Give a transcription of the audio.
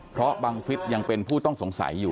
เพราะบังฟิศยังเป็นผู้ต้องสงสัยอยู่